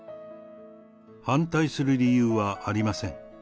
反対する理由はありません。